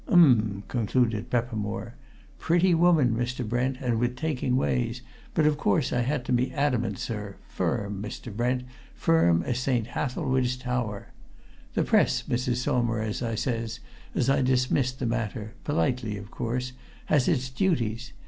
Um!" concluded Peppermore. "Pretty woman, Mr. Brent, and with taking ways, but of course I had to be adamant, sir firm, Mr. Brent, firm as St. Hathelswide's tower. 'The Press, Mrs. Saumarez,' I says, as I dismissed the matter politely, of course 'has its Duties.